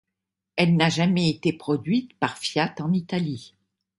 Elle n'a jamais été produite par Fiat en Italie.